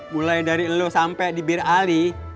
mulai dari lo sampai di bir ali